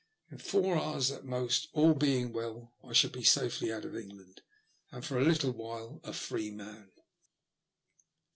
In four hours at most, all being well, I should be safely out of England ; and, for a little while, a free man.